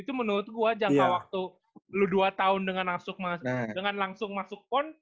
itu menurut gue jangka waktu lu dua tahun dengan langsung masuk pon